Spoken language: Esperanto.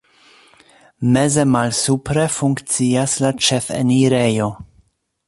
Meze malsupre funkcias la ĉefenirejo.